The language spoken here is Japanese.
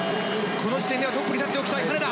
この地点ではトップに立っておきたい、羽根田。